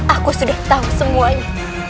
aku sudah tahu semuanya